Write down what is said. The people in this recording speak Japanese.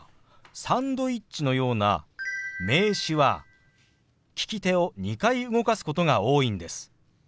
「サンドイッチ」のような名詞は利き手を２回動かすことが多いんです。